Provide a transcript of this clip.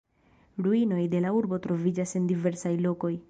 Ruinoj de la urbo troviĝas en diversaj lokoj.